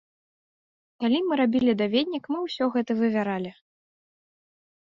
Калі мы рабілі даведнік, мы ўсё гэта вывяралі.